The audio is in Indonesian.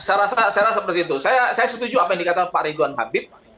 saya rasa seperti itu saya setuju apa yang dikatakan pak rigon habib